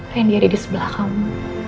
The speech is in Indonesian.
randy ada di sebelah kamu